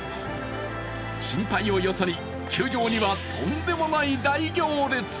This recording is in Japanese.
心配をよそに、球場にはとんでもない大行列。